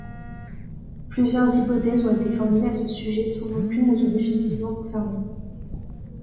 Plusieurs hypothèses ont été formulées à ce sujet, sans qu'aucune ne soit définitivement confirmée.